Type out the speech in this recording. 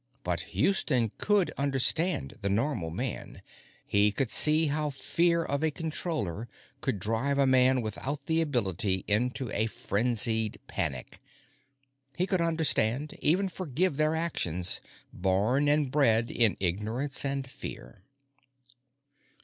But Houston could understand the Normal man; he could see how fear of a Controller could drive a man without the ability into a frenzied panic. He could understand, even forgive their actions, born and bred in ignorance and fear.